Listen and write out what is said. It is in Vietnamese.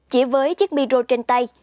chỉ với chiếc miro trên tay